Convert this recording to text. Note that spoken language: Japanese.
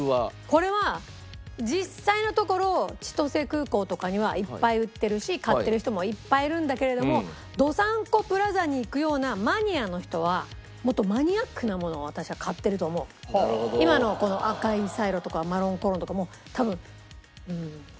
これは実際のところ千歳空港とかにはいっぱい売ってるし買ってる人もいっぱいいるんだけれどもどさんこプラザに行くようなマニアの人はもっと今の赤いサイロとかマロンコロンとかもう多分うん。